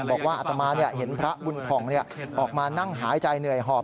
บอกว่าอัตมาเห็นพระบุญผ่องออกมานั่งหายใจเหนื่อยหอบ